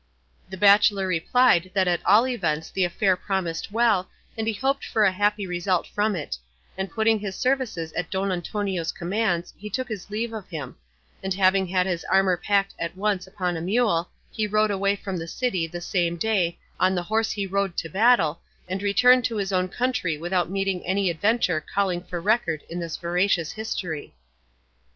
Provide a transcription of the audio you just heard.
The bachelor replied that at all events the affair promised well, and he hoped for a happy result from it; and putting his services at Don Antonio's commands he took his leave of him; and having had his armour packed at once upon a mule, he rode away from the city the same day on the horse he rode to battle, and returned to his own country without meeting any adventure calling for record in this veracious history.